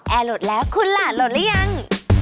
แอร์โหลดแล้วคุณล่ะโหลดแล้วยัง